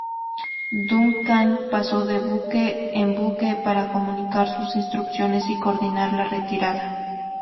Duncan pasó de buque en buque para comunicar sus instrucciones y coordinar la retirada.